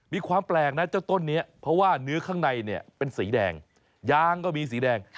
มีความแปลกนะเจ้าต้นนี้เพราะว่าเนื้อข้างในเนี่ยเป็นสีแดงยางก็มีสีแดง